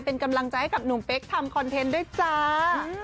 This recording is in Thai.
เป็นกำลังใจให้กับหนุ่มเป๊กทำคอนเทนต์ด้วยจ้า